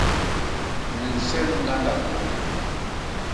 Me nsem ñgandak moni.